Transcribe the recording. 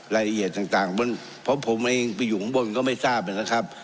รายละเอียดต่างเพราะผมเองไปอยู่ข้างบนก็ไม่ทราบนะครับ